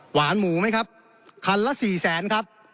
หวานหมูไหมครับคันละสี่แสนครับ